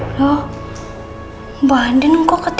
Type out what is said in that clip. ya bukanlah aku bisa nunggu praw aja